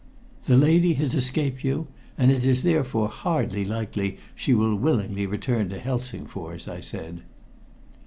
"The lady has escaped you, and it is therefore hardly likely she will willingly return to Helsingfors," I said.